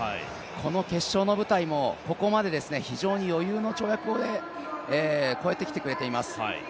この決勝の舞台もここまで非常に余裕の跳躍で越えてきてくれています。